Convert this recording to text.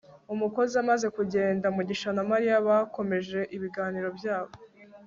umukozi amaze kugenda, mugisha na mariya bakomeje ibiganiro byabo